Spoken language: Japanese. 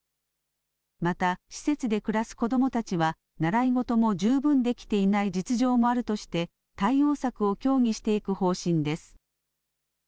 また施設で暮らす子どもたちは習い事も十分できていない実情もあるとして対応策を協議していく方針です。